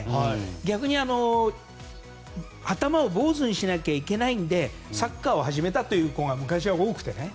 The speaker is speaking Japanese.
逆に頭を坊主にしなきゃいけないのでサッカーを始めたという子が昔は多くて。